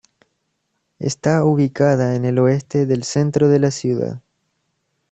Está ubicada en el oeste del centro de la ciudad.